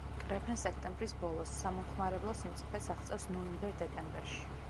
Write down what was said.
კრეფენ სექტემბრის ბოლოს, სამომხმარებლო სიმწიფეს აღწევს ნოემბერ-დეკემბერში.